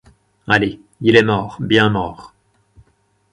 Allez, il est mort, bien mort.